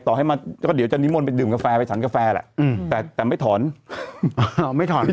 ต่อให้มาก็เดี๋ยวจะนิมนต์ไปดื่มกาแฟไปสรรกาแฟแหละแต่แต่ไม่ถอนไม่ถอน